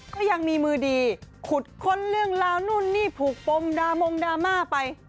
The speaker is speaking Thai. ก็ยังมีมือดีขุดค้นเรื่องราวนู่นนี่ผูกปมดามงดราม่าไป